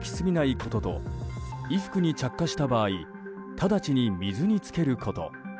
ことと衣服に着火した場合直ちに水につけること。